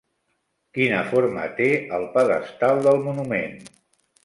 Quina forma té el pedestal del monument?